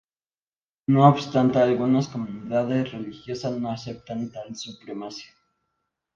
No obstante, algunas comunidades religiosas no aceptan tal supremacía.